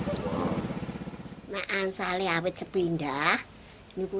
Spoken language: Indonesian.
ketika saya berubah saya sudah tiga puluh delapan tahun